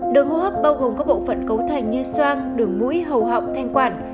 đường hô hấp bao gồm các bộ phận cấu thành như soang đường mũi hầu họng thanh quản